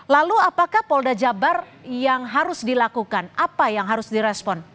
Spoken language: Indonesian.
lalu apakah polda jabar yang harus dilakukan apa yang harus direspon